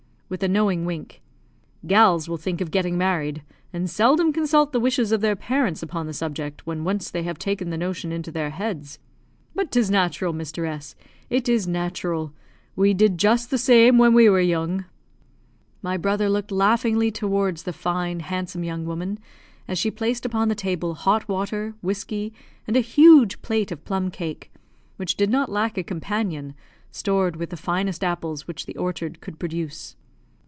With a knowing wink, "Gals will think of getting married, and seldom consult the wishes of their parents upon the subject when once they have taken the notion into their heads. But 'tis natural, Mr. S , it is natural; we did just the same when we were young." My brother looked laughingly towards the fine, handsome young woman, as she placed upon the table hot water, whiskey, and a huge plate of plum cake, which did not lack a companion, stored with the finest apples which the orchard could produce.